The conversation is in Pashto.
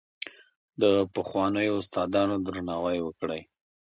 د پخوانیو استادانو درناوی وکړئ.